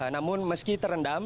namun meski terendam